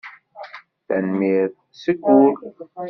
Tanemmirt seg wul.